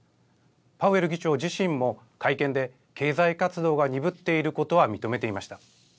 パウエル議長自身も会見で経済活動が鈍っていることは認めていました。